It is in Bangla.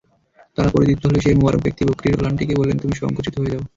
তারা পরিতৃপ্ত হলে সেই মুবারক ব্যক্তি বকরীর ওলানটিকে বললেন, তুমি সংকুচিত হয়ে যাও।